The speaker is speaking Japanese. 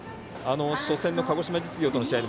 初戦の鹿児島実業との試合